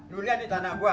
dulian di tanah gua